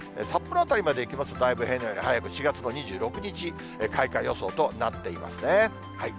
札幌辺りまでいきますとだいぶ平年より早く、４月の２６日開花予想となっていますね。